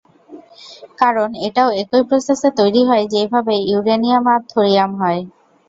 কারণ এটাও একই প্রসেসে তৈরী হয় যেই ভাবে ইউরেনিয়াম আর থোরিয়াম হয়।